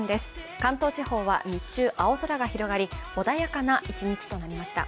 関東地方は日中、青空が広がり穏やかな一日となりました。